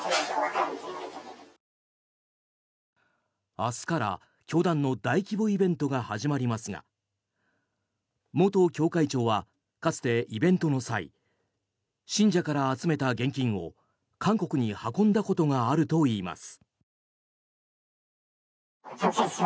明日から教団の大規模イベントが始まりますが元教会長はかつてイベントの際信者から集めた現金を、韓国に運んだことがあるといいます。